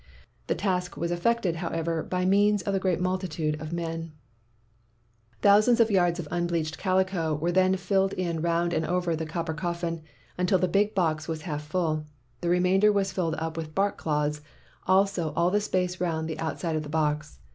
The task was effected, however, by means of the great multitude of men. 188 MACKAY'S NEW NAME "Thousands of yards of unbleached calico were then filled in round and over the cop per coffin, until the big box was half full. The remainder was filled up with bark cloths, as also all the space round the out side of the box.